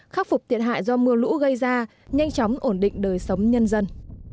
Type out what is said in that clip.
khắc phục thiệt hại do mưa lũ gây ra nhanh chóng ổn định đời sống nhân dân